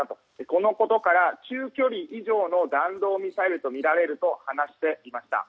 このことから中距離以上の弾道ミサイルとみられると話していました。